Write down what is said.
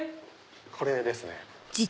これですね。